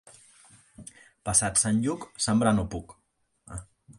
Passat Sant Lluc, sembrar no puc.